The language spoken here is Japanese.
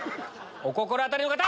お心当たりの方！